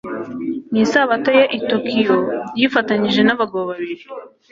Mu isabato ye i Tokiyo yifatanije n'abagabo babiri